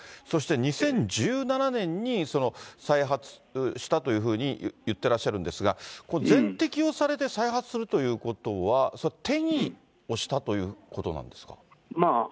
そして２０１７年に、再発したというふうに言ってらっしゃるんですが、全摘をされて再発するということは、転移をしたということなんでまあ